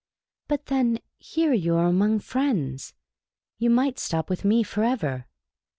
''" But then, here you are among friends. You might stop with me forever."